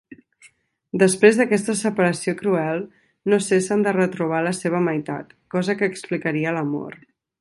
Després d'aquesta separació cruel, no cessen de retrobar la seva meitat, cosa que explicaria l'amor.